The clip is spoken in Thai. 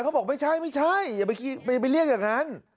เขาบอกไม่ใช่ไม่ใช่อย่าไปเรียกอย่างนั้น